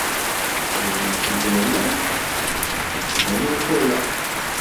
Tḥemmlemt izerman? Iban akk ala.